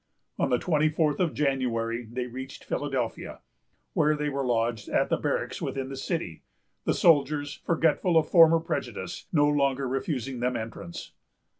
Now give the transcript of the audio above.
On the twenty fourth of January, they reached Philadelphia, where they were lodged at the barracks within the city; the soldiers, forgetful of former prejudice, no longer refusing them entrance.